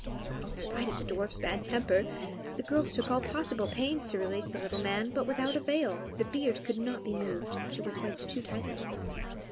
In spite of the dwarf's bad temper, the girls took all possible pains to release the little man, but without avail; the beard could not be moved, it was wedged too tightly.